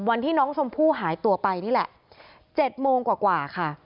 วันที่น้องชมพู่หายตัวไปนี่แหละ๗โมงกว่าค่ะ